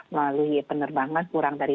melalui penerbangan kurang dari